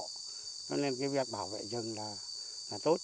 cho nên cái việc bảo vệ rừng là tốt